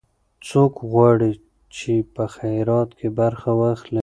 څوک غواړي چې په خیرات کې برخه واخلي؟